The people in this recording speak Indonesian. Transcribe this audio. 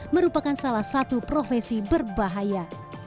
merupakan salah satu profesi berbahaya